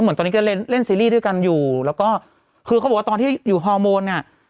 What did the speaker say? เหมือนตอนนี้ก็เล่นเล่นซีรีส์ด้วยกันอยู่แล้วก็คือเขาบอกว่าตอนที่อยู่ฮอร์โมนเนี่ย